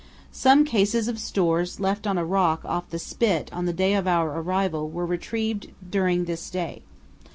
Some cases of stores left on a rock off the spit on the day of our arrival were retrieved during this day.